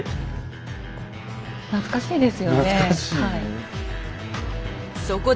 懐かしいですよね懐かしいね。